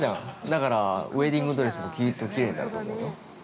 だから、ウエディングドレスもきれいになると思うよ。